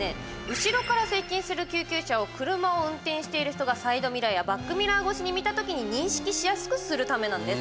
後ろから接近する救急車を車を運転している人がサイドミラーやバックミラー越しに見た時に認識しやすくするためなんです。